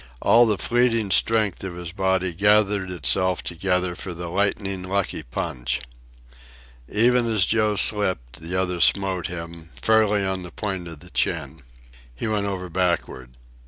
All the fleeing strength of his body gathered itself together for the lightning lucky punch. Even as Joe slipped the other smote him, fairly on the point of the chin. He went over backward.